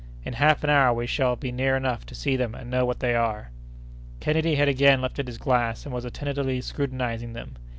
In half an hour we shall be near enough to see them and know what they are." Kennedy had again lifted his glass and was attentively scrutinizing them.